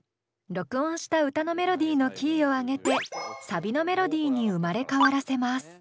録音した歌のメロディーのキーを上げてサビのメロディーに生まれ変わらせます。